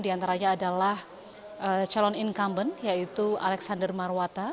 diantaranya adalah calon incumbent yaitu alexander marwata